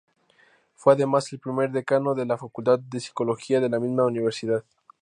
Fue además el primer Decano de la Facultad de Psicología de la misma universidad.